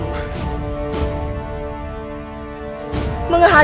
dan ada pimpinan ramir